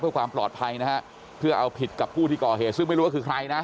เพื่อความปลอดภัยนะฮะเพื่อเอาผิดกับผู้ที่ก่อเหตุซึ่งไม่รู้ว่าคือใครนะ